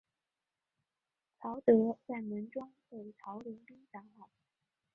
曹德在门中被陶谦兵杀害。